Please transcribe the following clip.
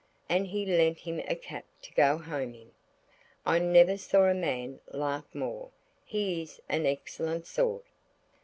And he lent him a cap to go home in. I never saw a man laugh more. He is an excellent sort.